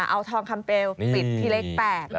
เอาทองคำเปลปิดที่เลข๘